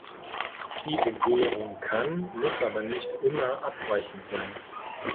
Die Bewehrung kann, muss aber nicht immer abweichend sein.